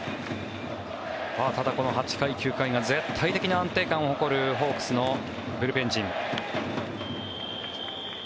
ただ、８回、９回が絶対的な安定感を誇るホークスのブルペン陣。